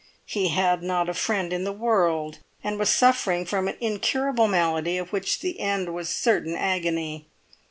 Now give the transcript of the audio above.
He had not a friend in the world, and was suffering from an incurable malady of which the end was certain agony.